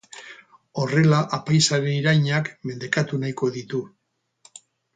Horrela apaizaren irainak mendekatu nahiko ditu.